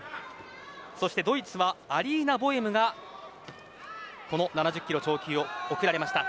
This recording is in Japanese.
そしてドイツはアリーナ・ボエムがこの７０キロ超級に送られました。